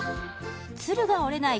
鶴が折れない